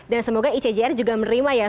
dan semoga icjr juga menerima ya